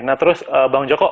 nah terus bang joko